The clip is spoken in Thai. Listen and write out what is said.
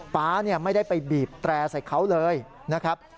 ๊าไม่ได้ไปบีบแตร่ใส่เขาเลยนะครับ